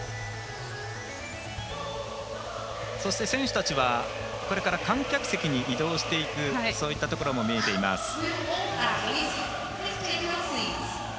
選手たちはこれから観客席に移動していくそういったところも見えています。